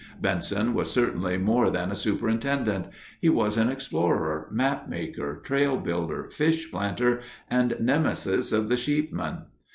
Benson was certainly more than a superintendent; he was an explorer, map maker, trail builder, fish planter, and nemesis of the sheepmen.